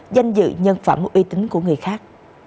danh dự nhân phẩm uy tín của người khác